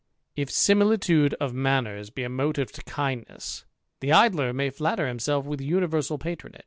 If similitude of manners be a motive to kindness, the Idler may flatter himself with universal patronage.